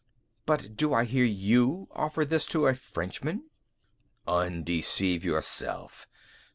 "But do I hear you offer this to a Frenchman?" "Undeceive yourself.